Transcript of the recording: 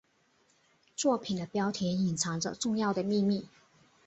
作品的标题隐藏着重要的秘密。